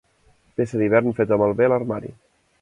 Peça d'hivern feta malbé a l'armari.